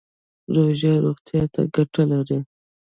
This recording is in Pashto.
روژه روغتیا ته ګټه لري